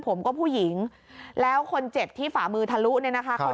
ผมก็ผู้หญิงแล้วคนเจ็บที่ฝ่ามือทะลุเนี่ยนะคะ